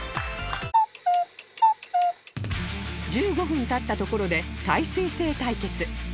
１５分経ったところで耐水性対決